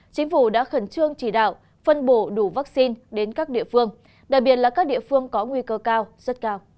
chính phủ đã khẩn trương chỉ đạo phân bổ đủ vaccine đến các địa phương đặc biệt là các địa phương có nguy cơ cao rất cao